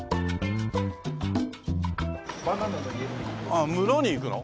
ああ室に行くの？